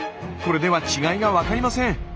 これでは違いが分かりません。